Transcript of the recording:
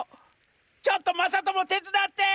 ちょっとまさともてつだって！